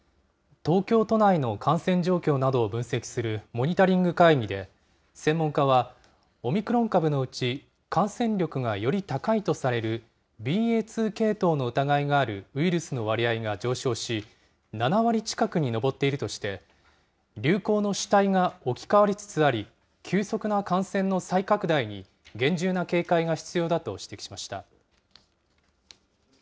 東京都内の感染状況などを分析するモニタリング会議で、専門家は、オミクロン株のうち、感染力がより高いとされる、ＢＡ．２系統の疑いがあるウイルスの割合が上昇し、７割近くに上っているとして、流行の主体が置き換わりつつあり、急速な感染の再拡大に厳重な警戒が必要だと指摘しました。